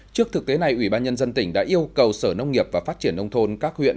trước thực tế này ủy ban nhân dân tỉnh đã yêu cầu sở nông nghiệp và phát triển nông thôn các huyện